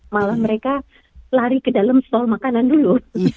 malah mereka lari ke dalam sol makanan dulu